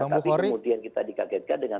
tapi kemudian kita dikagetkan dengan